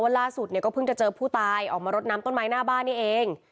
วันล่าสุดก็เจอผู้ตายออกมารดน้ำต้นไม้หน้าบ้านเอง